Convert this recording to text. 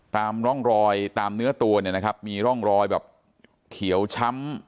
ตามร่องรอยตามเนื้อตัวเนี่ยนะครับมีร่องรอยแบบเขียวช้ำ